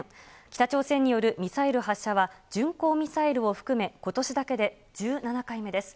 北朝鮮によるミサイル発射は、巡航ミサイルを含めことしだけで１７回目です。